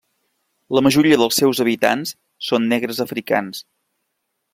La majoria dels seus habitants són negres africans.